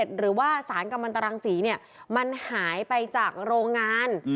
หรือว่าสารกำลังตรังสีมันหายไปจากโรงงาน